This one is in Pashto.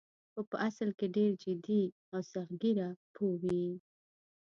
خو په اصل کې ډېر جدي او سخت ګیره پوه وې.